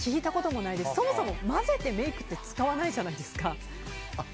そもそも混ぜてメイクって使わないじゃないですか。